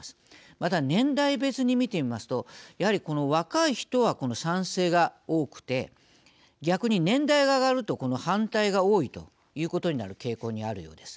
また、年代別に見てみますとやはりこの若い人は賛成が多くて逆に年代が上がるとこの反対が多いということになる傾向にあるようです。